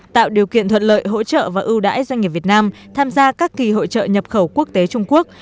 tạo điều kiện thuận lợi hỗ trợ và ưu đãi doanh nghiệp việt nam tham gia các kỳ hội trợ nhập khẩu quốc tế trung quốc